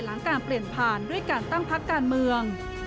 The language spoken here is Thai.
หลังการเปลี่ยนผ่านด้วยการตั้งพักการเมือง